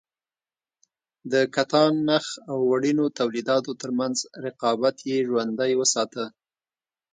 د کتان- نخ او وړینو تولیداتو ترمنځ رقابت یې ژوندی وساته.